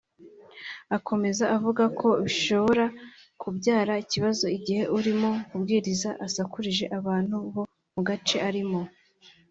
Akomeza avuga ko bishobora kubyara ikibazo igihe urimo kubwiriza asakurije abantu bo mu gace arimo